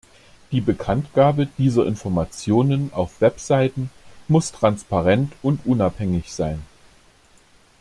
Die Bekanntgabe dieser Informationen auf Webseiten muss transparent und unabhängig sein.